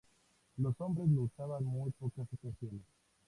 Los hombres lo usan en muy pocas ocasiones.